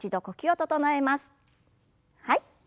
はい。